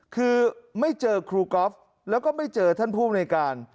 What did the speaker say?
คือไม่เจอครูก๊อฟแล้วก็ไม่เจอท่านภูมิในการ